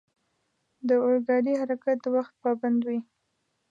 د اورګاډي حرکت د وخت پابند وي.